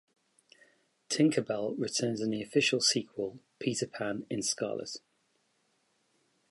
Tinker Bell returns in the official sequel "Peter Pan in Scarlet".